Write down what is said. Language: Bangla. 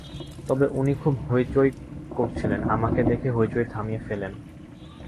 তবে উনি খুব হৈচৈ করছিলেন, আমাকে দেখে হৈচৈ থামিয়ে ফেলেন।